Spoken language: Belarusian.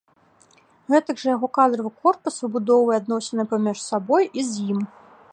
Гэтак жа яго кадравы корпус выбудоўвае адносіны паміж сабой і з ім.